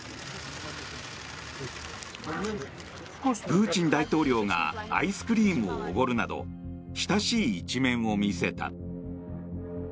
プーチン大統領がアイスクリームをおごるなど親しい一面を見せた。